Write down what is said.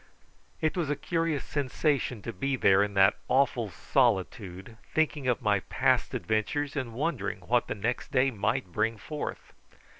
It was a curious sensation to be there in that awful solitude, thinking of my past adventures, and wondering what the next day might bring forth.